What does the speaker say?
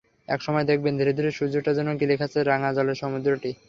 একসময় দেখবেন, ধীরে ধীরে সূর্যটা যেন গিলে খাচ্ছে রাঙা জলের সমুদ্রটি।